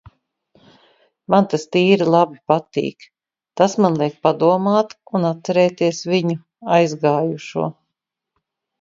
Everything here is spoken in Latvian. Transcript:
Man tas tīri labi patīk. Tas man liek padomāt un atcerēties viņu - aizgājušo.